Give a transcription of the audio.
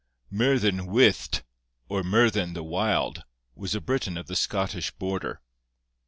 Myrddin Wyllt, or Myrddin the Wild, was a Briton of the Scottish border.